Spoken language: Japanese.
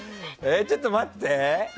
ちょっと待って。